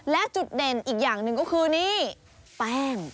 และจุดเด่นอีกอย่างหนึ่งก็คือนี่แป้ง